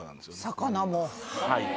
魚も。